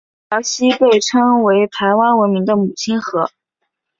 隘寮溪被称为排湾文明的母亲河。